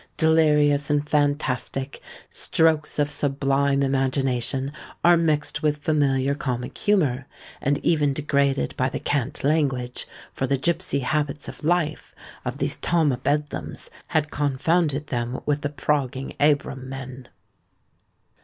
Delirious and fantastic, strokes of sublime imagination are mixed with familiar comic humour, and even degraded by the cant language; for the gipsy habits of life of these "Tom o' Bedlams" had confounded them with "the progging Abram men."